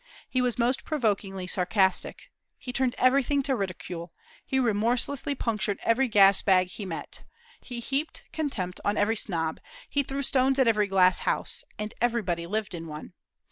He was most provokingly sarcastic; he turned everything to ridicule; he remorselessly punctured every gas bag he met; he heaped contempt on every snob; he threw stones at every glass house, and everybody lived in one.